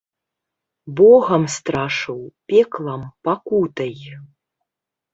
Богам страшыў, пеклам, пакутай.